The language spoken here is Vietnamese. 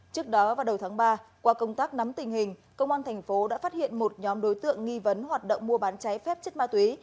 trước đó vào đầu tháng ba qua công tác nắm tình hình công an thành phố đã phát hiện một nhóm đối tượng nghi vấn hoạt động mua bán cháy phép chất ma túy